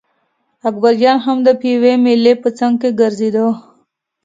اکبرجان هم د پېوې مېلې په څنګ کې ګرځېده.